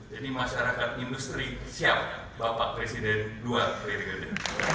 jadi masyarakat industri siap bapak presiden dua periode